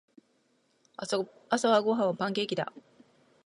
朝ごはんはパンケーキだ。